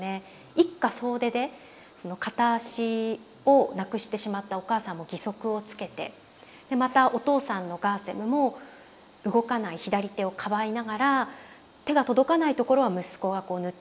一家総出で片足をなくしてしまったお母さんも義足をつけてまたお父さんのカーセムも動かない左手をかばいながら手が届かない所は息子がこう塗ってくれたり。